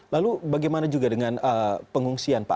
lalu bagaimana juga dengan pengungsian pak